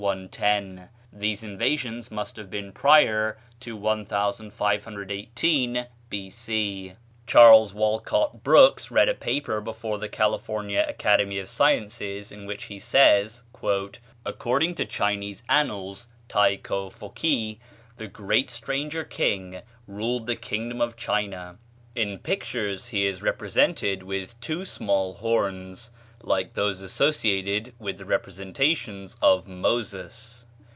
110.) These invasions must have been prior to 1518 B.C. Charles Walcott Brooks read a paper before the California Academy of Sciences, in which he says: "According to Chinese annals, Tai Ko Fokee, the great stranger king, ruled the kingdom of China. In pictures he is represented with two small horns, like those associated with the representations of Moses.